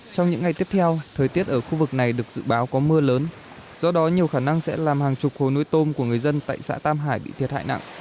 trong những ngày tiếp theo thời tiết ở khu vực này được dự báo có mưa lớn do đó nhiều khả năng sẽ làm hàng chục hồ nuôi tôm của người dân tại xã tam hải bị thiệt hại nặng